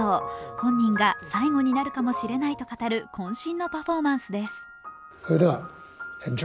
本人が最後になるかもしれないと語るこん身のパフォーマンスです。